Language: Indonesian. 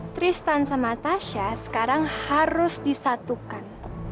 tristan sama tasha sekarang harus disatukan